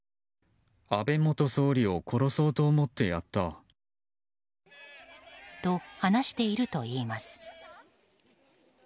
安倍元総理を殺そうと思ってやった。と、話しているといいます。